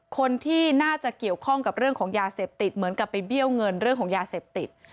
คนที่น่าจะเกี่ยวข้องกับเรื่องของยาเสพติดเหมือนกับไปเบี้ยวเงินเรื่องของยาเสพติด